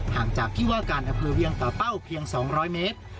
ห่างจากที่ว่าการอำเภอเวียงป่าเป้าเพียง๒๐๐เมตร